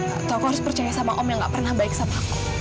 atau aku harus percaya sama om yang gak pernah baik sama aku